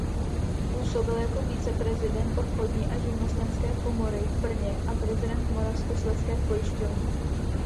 Působil jako viceprezident Obchodní a živnostenské komory v Brně a prezident Moravskoslezské pojišťovny.